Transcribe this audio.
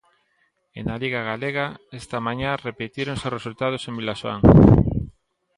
E na Liga Galega, esta mañá repetíronse os resultados en Vilaxoán.